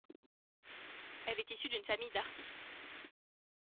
Elle est issue d’une famille d’artistes.